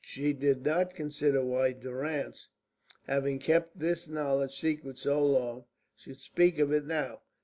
She did not consider why Durrance, having kept this knowledge secret so long, should speak of it now.